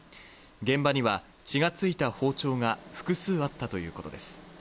現場には血がついた包丁が複数あったということです。